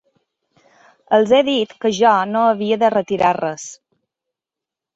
Els he dit que jo no havia de retirar res.